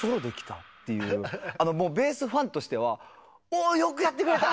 もうベースファンとしてはおよくやってくれた！